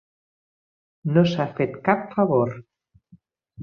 No s'ha fet cap favor.